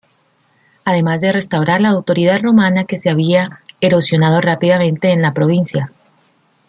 Además de restaurar la autoridad romana que se había erosionado rápidamente en la provincia.